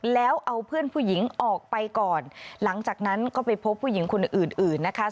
แล้วเอาเพื่อนผู้หญิงออกไปก่อนหลังจากนั้นก็ไปพบผู้หญิงคนอื่นอื่นนะคะ